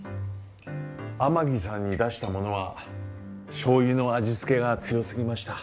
天城さんに出したものはしょうゆの味付けが強すぎました。